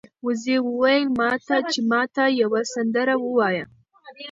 وزې وویل چې ما ته یوه سندره ووایه.